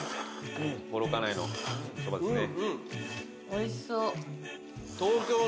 おいしそう。